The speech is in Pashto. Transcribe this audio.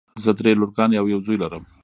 زه دری لورګانې او یو زوی لرم.